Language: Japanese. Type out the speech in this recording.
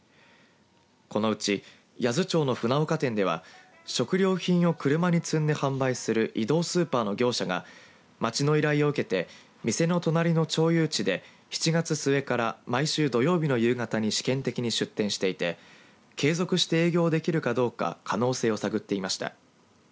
このうち八頭町のふなおか店では食料品を車に積んで販売する移動スーパーの業者が町の依頼を受けて店の隣の町有地で７月末から毎週土曜日の夕方に試験的に出店していて継続して営業できるかどうか可能性を探っていました。